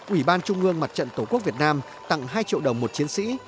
ủy ban trung ương mặt trận tổ quốc việt nam tặng hai triệu đồng một chiến sĩ